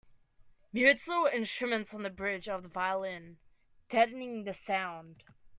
Mutes little instruments on the bridge of the violin, deadening the sound.